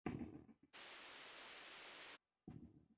د نن کالم مې په روان موټر کې د سفر پر وخت لیکلی.